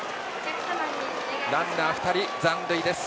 ランナー２人、残塁。